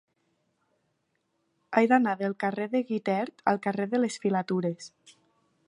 He d'anar del carrer de Guitert al carrer de les Filatures.